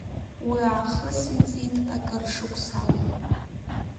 Уиаахыс иҵит акыр шықәса.